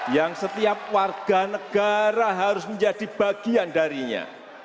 yang setiap warga negara harus menjadi bagian darinya